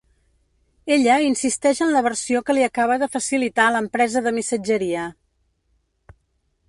Ella insisteix en la versió que li acaba de facilitar l'empresa de missatgeria.